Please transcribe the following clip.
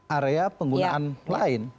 area penggunaan lain